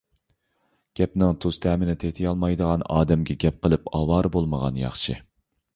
گەپنىڭ تۇز تەمىنى تېتىيالمايدىغان ئادەمگە گەپ قىلىپ ئاۋارە بولمىغان ياخشى.